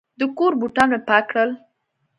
د کور بوټان مې پاک کړل.